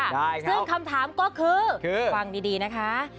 ซึ่งคำถามก็คือฟังดีนะคะ